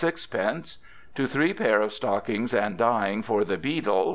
/7/6 "To three pair of Stockings and dying for the Beedle